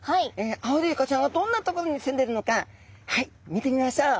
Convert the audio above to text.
アオリイカちゃんはどんな所に住んでるのかはい見てみましょう！